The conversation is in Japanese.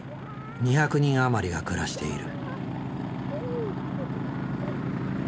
２００人余りが暮らしている。